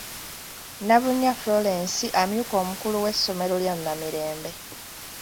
Nabunnya Florence amyuka omukulu w'essomero lya Namirembe.